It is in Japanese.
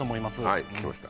はい聞きました。